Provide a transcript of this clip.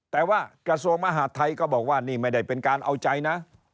แต่ว่ากระทรวงมหาดไทยก็บอกว่านี่ไม่ได้เป็นการเอาใจนะ